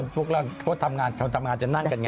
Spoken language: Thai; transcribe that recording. พวกเราทุกคนที่ทำงานทำงานจะนั่งกันไง